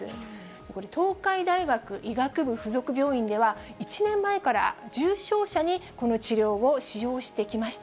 これ、東海大学医学部付属病院では、１年前から重症者にこの治療を使用してきました。